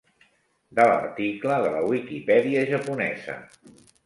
"De l'article de la Wikipedia japonesa"